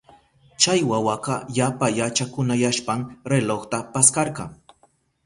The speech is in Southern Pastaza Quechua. Chay wawaka yapa yachakunayashpan relojta paskarka.